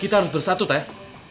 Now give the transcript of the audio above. kita harus bersatu teh